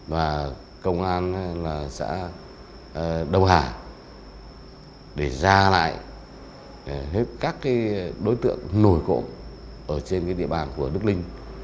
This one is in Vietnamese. và công an xã đông hà để ra lại các đối tượng nổi cỗ ở trên địa bàn của đức linh